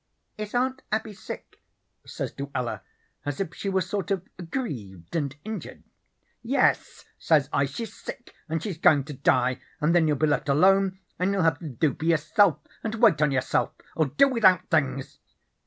"'Is Aunt Abby sick?' says Luella, as if she was sort of aggrieved and injured. "'Yes,' says I, 'she's sick, and she's goin' to die, and then you'll be left alone, and you'll have to do for yourself and wait on yourself, or do without things.'